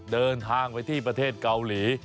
เดินทางไปที่ประเทศเกาหลี